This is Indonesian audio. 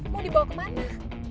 mau dibawa kemana